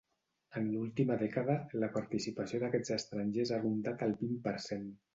En l’última dècada, la participació d’aquests estrangers ha rondat el vint per cent.